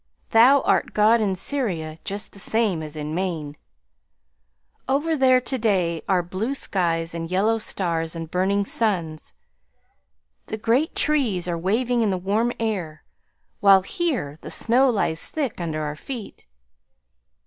Thou art God in Syria just the same as in Maine; ...over there to day are blue skies and yellow stars and burning suns ... the great trees are waving in the warm air, while here the snow lies thick under our feet